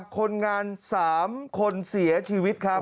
คนงาน๓คนเสียชีวิตครับ